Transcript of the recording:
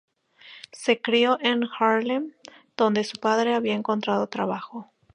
Se crio en Haarlem, donde su padre había encontrado trabajo.